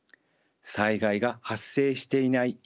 災害が発生していない